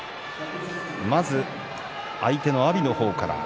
まず、相手の阿炎の方から。